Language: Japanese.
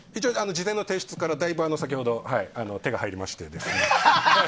事前の提出からだいぶ先ほど手が入りまして。